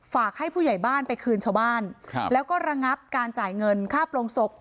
ฝากให้ผู้ใหญ่บ้านไปคืนชาวบ้านแล้วก็ระงับการจ่ายเงินค่าโปรงศพ